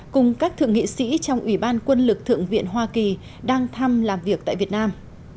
cùng các thượng nghị sĩ trong ủy ban quân lực thượng viện hoa kỳ đang thăm làm việc tại việt nam